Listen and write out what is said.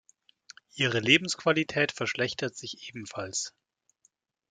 Ihre Lebensqualität verschlechtert sich ebenfalls.